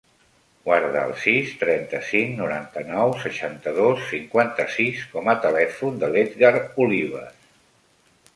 Guarda el sis, trenta-cinc, noranta-nou, seixanta-dos, cinquanta-sis com a telèfon de l'Edgar Olives.